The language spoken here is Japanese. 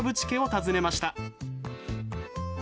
家を訪ねました！